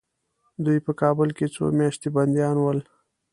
دوی په کابل کې څو میاشتې بندیان ول.